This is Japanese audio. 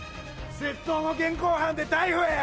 窃盗の現行犯で逮捕や！